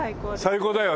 最高だよね。